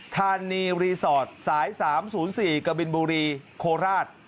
ธานีรีสอร์ทสาย๓๐๔กบินบุรีโคราช